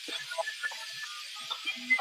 নমস্কার, থালাইভা।